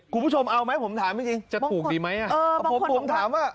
คุณผู้ชมเอาไหมผมถามจริงจะถูกดีไหมอ่ะผมผมถามว่า